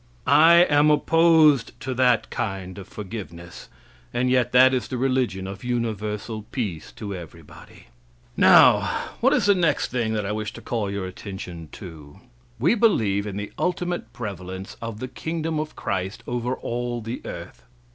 I am opposed to that kind of forgiveness. And yet that is the religion of universal peace to everybody. Now, what is the next thing that I wish to call your attention to? "We believe in the ultimate prevalence of the Kingdom of Christ over all the earth."